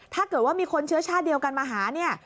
ถ้าเกิดว่ามีคนเชื้อชาติเดียวกันมาหาเนี่ย